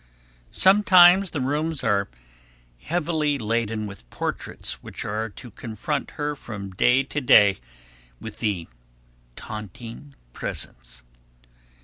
Sometimes the rooms are heavily laden with portraits which are to confront her from day to day with the taunting presence.